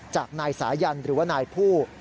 จากนายสายันหรือว่านายผู้